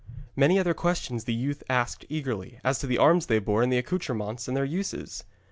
Many other questions the youth asked eagerly, as to the arms they bore and the accoutrements and their uses.